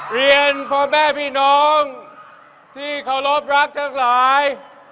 เรียนพ่อแม่พี่น้องที่เคารพรักทั้งหลาย